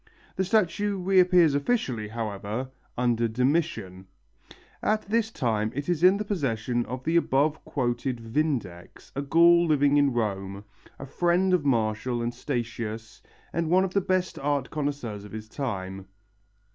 The statue reappears officially, however, under Domitian. At this time it is in the possession of the above quoted Vindex, a Gaul living in Rome, a friend of Martial and Statius and one of the best art connoisseurs of his time.